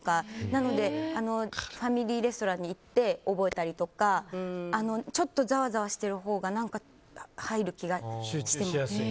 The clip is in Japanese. なので、ファミリーレストランに行って覚えたりとかちょっとざわざわしてるほうが入る気がして。